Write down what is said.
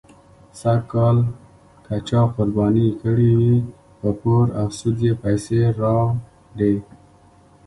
سږکال که چا قرباني کړې وي، په پور او سود یې پیسې راوړې.